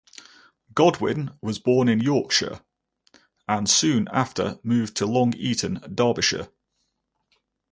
Godwin was born in Yorkshire and soon after moved to Long Eaton, Derbyshire.